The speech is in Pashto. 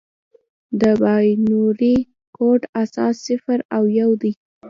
د بایونري کوډ اساس صفر او یو دی.